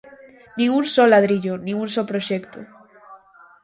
Nin un só ladrillo, nin un só proxecto.